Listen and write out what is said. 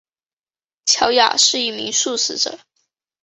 乔雅是一名素食者。